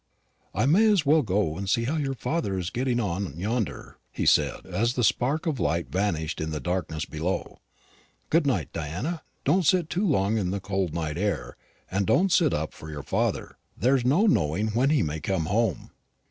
"I may as well go and see how your father is getting on yonder," he said, as the spark of light vanished in the darkness below. "Good night, Diana. Don't sit too long in the cold night air; and don't sit up for your father there's no knowing when he may be home."